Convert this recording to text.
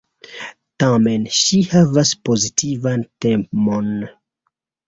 Tamen ŝi havas pozitivan temon.